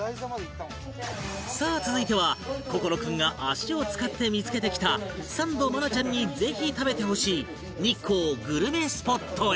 さあ続いては心君が足を使って見つけてきたサンド愛菜ちゃんにぜひ食べてほしい日光グルメスポットへ